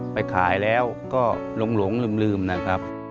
ไปขายแล้วก็หลงลืมนะครับ